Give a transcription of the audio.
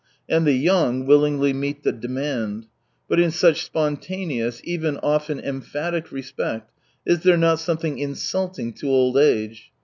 And the young willingly meet the demand. But in such spontaneous, even often emphatic respect, is there not something insulting to old age.